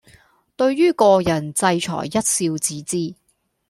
對於個人制裁一笑置之